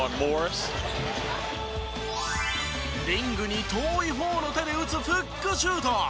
リングに遠い方の手で打つフックシュート。